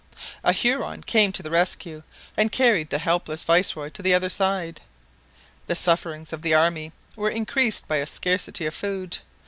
A Huron came to the rescue and carried the helpless viceroy to the other side. The sufferings of the army were increased by a scarcity of food.